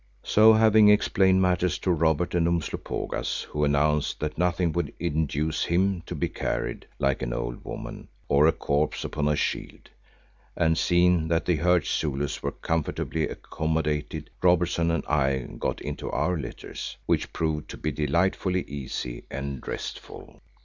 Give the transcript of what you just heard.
So having explained matters to Robertson and Umslopogaas, who announced that nothing would induce him to be carried like an old woman, or a corpse upon a shield, and seen that the hurt Zulus were comfortably accommodated, Robertson and I got into our litters, which proved to be delightfully easy and restful.